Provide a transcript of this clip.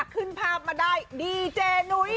ขึ้นภาพมาได้ดีเจนุ้ย